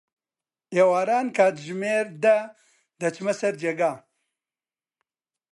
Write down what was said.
ئێواران، کاتژمێر دە دەچمە سەر جێگا.